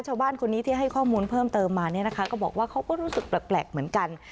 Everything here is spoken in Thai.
ชาวบ้านคนนี้ที่ให้ข้อมูลเพิ่มเติมมาเนี่ยนะคะก็บอกว่าเขาก็รู้สึกแปลกเหมือนกัน